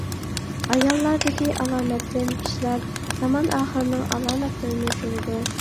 ئاياللاردىكى ئالامەتتىن كىشىلەر زامان ئاخىرىنىڭ ئالامەتلىرىنى كۆرىدۇ.